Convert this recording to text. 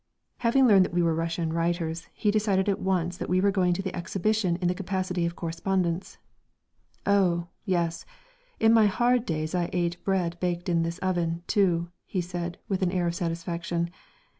Having learned that we were Russian writers, he decided at once that we were going to the Exhibition in the capacity of correspondents. "Oh, yes, in my hard days I ate bread baked in this oven, too," he said, with an air of satisfaction.